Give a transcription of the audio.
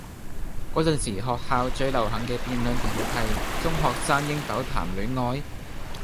嗰陣時學校最流行嘅辯論題目係：中學生應否談戀愛?